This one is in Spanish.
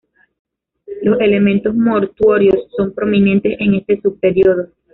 Los elementos mortuorios son prominentes en este sub período.